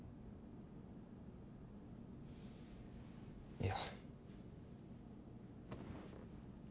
いや。